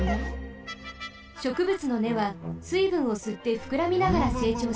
しょくぶつのねはすいぶんをすってふくらみながらせいちょうします。